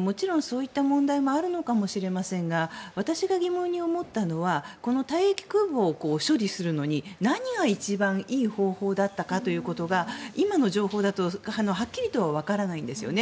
もちろんそういった問題もあるのかもしれませんが私が疑問に思ったのは退役空母を処理するのに何が一番いい方法だったのかということが今の情報だとはっきりとはわからないんですよね。